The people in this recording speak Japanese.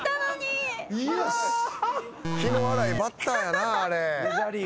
気の荒いバッターやな。